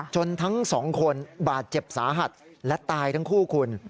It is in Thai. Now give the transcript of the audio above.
ทั้งสองคนบาดเจ็บสาหัสและตายทั้งคู่คุณ